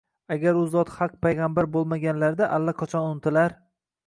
Agar u zot haq payg‘ambar bo‘lmaganlarida allaqachon unutilar